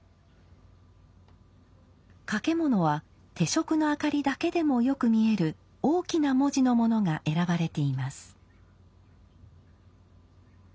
掛物は手燭の明かりだけでもよく見える大きな文字のものが選ばれています。